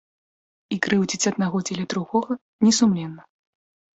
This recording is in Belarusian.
І крыўдзіць аднаго дзеля другога не сумленна.